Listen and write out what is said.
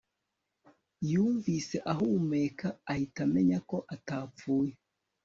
Yumvise ahumekaahita amenyako atapfuye